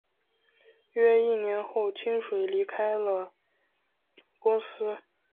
约一年后清水离开了公司。